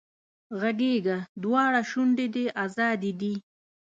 غږېږه دواړه شونډې دې ازادې دي